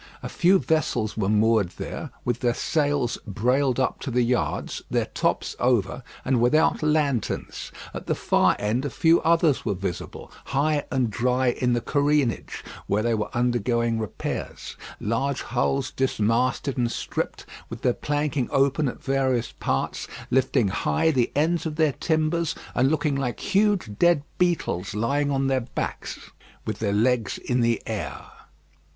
A few vessels were moored there, with their sails brailed up to the yards, their tops over, and without lanterns. At the far end a few others were visible, high and dry in the careenage, where they were undergoing repairs; large hulls dismasted and stripped, with their planking open at various parts, lifting high the ends of their timbers, and looking like huge dead beetles lying on their backs with their legs in the air.